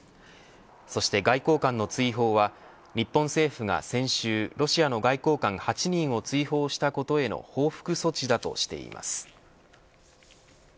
そして外交官の追放は日本政府が先週ロシアの外交官８人を追放したことへの報復措置だとしています。